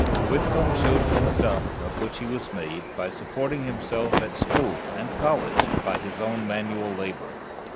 Whitcomb showed the stuff of which he was made by supporting himself at school and college by his own manual labor.